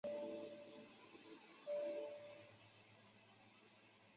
以下会用组合论述来证明。